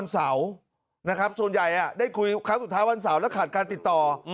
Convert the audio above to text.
ส่วนใหญ่คุยท่านสอวันเสาร์และขาดการติดต่อ